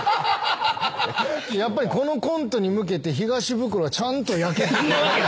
やっぱりこのコントに向けて東ブクロはちゃんと焼けてきてる。